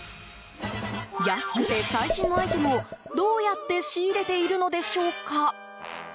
安くて最新のアイテムをどうやって仕入れているのでしょうか？